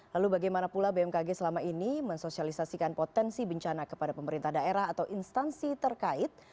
lalu bagaimana pula bmkg selama ini mensosialisasikan potensi bencana kepada pemerintah daerah atau instansi terkait